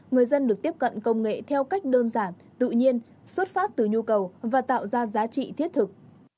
người dân được tiếp cận công nghệ theo cách đơn giản tự nhiên xuất phát từ nhu cầu và tạo ra giá trị thiết thực